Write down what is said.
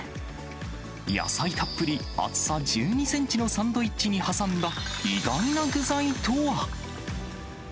野菜たっぷり、厚さ１２センチのサンドイッチに挟んだ意外な具材とは。